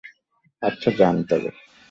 আচ্ছা, যান তবে।